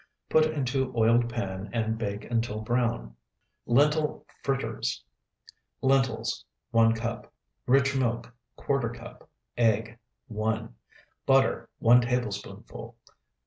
Put into oiled pan and bake until brown. LENTIL FRITTERS Lentils, 1 cup. Rich milk, ¼ cup. Egg, 1. Butter, 1 tablespoonful.